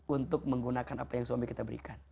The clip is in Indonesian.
untuk menggunakan apa yang suami kita berikan